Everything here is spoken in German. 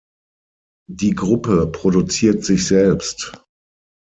Die Gruppe produziert sich selbst.